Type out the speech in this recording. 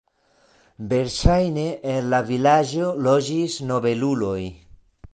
Verŝajne en la vilaĝo loĝis nobeluloj.